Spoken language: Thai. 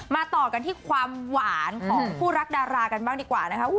ต่อกันที่ความหวานของคู่รักดารากันบ้างดีกว่านะคะ